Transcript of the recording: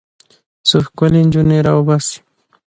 څو ښکلې نجونې راوباسي.